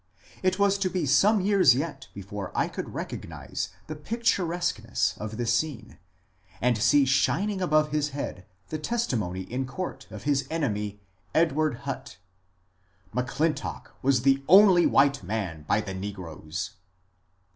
It was to be some years yet before I could recognize the picturesqueness of the scene, and see shining above his head the testimony in court of his enemy, Edward Hutt :" M'Clintock was the only white man by the negroes."